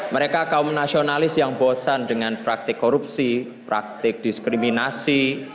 mereka kaum nasionalis yang bosan dengan praktik korupsi praktik diskriminasi